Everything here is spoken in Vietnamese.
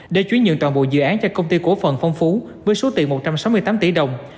để chuyển nhận toàn bộ dự án cho công ty cổ phần phong phú với số tiền một trăm sáu mươi tám tỷ đồng